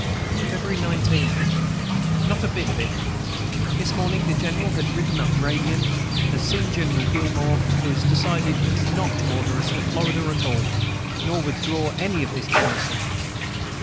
"February 19. "Not a bit of it! This morning the General has ridden up radiant, has seen General Gillmore, who has decided not to order us to Florida at all, nor withdraw any of this garrison.